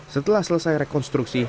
setelah selesai rekonstruksi